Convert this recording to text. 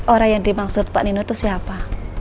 orang yang dimaksud pak nino itu siapa